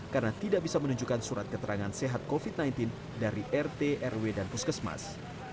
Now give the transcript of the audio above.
karena tidak bisa menunjukkan surat keterangan sehat covid sembilan belas dari rt rw dan puskesmas